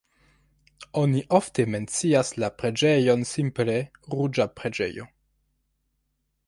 Oni ofte mencias la preĝejon simple "ruĝa preĝejo".